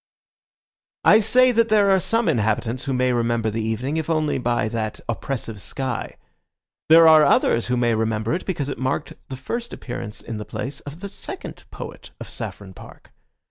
I say that there are some inhabitants who may remember the evening if only by that oppressive sky. There are others who may remember it because it marked the first appearance in the place of the second poet of Saffron Park.